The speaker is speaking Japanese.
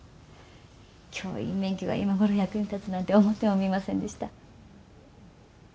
教員免許が今頃役に立つなんて思ってもみませんでした。